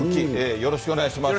よろしくお願いします。